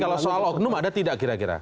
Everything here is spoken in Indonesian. tapi kalau soal ognum ada tidak kira kira